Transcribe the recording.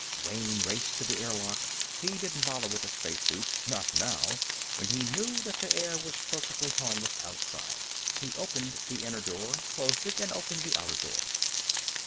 Wayne raced to the airlock. He didn't bother with a spacesuit not now, when he knew that the air was perfectly harmless outside. He opened the inner door, closed it, and opened the outer door.